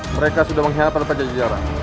mereka sudah mengkhianatkan pada jajaran